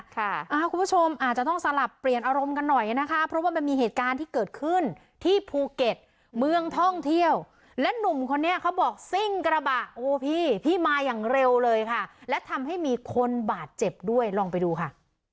คุณผู้ชมอาจจะต้องสลับเปลี่ยนอารมณ์กันหน่อยนะคะเพราะว่ามันมีเหตุการณ์ที่เกิดขึ้นที่ภูเก็ตเมืองท่องเที่ยวและหนุ่มคนนี้เขาบอกซิ่งกระบะโอ้พี่พี่มาอย่างเร็วเลยค่ะและทำให้มีคนบาดเจ็บด้วยลองไปดูค่ะ